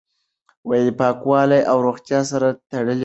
پاکوالی او روغتیا سره تړلي دي.